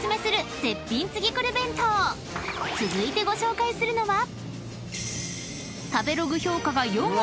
［続いてご紹介するのは？］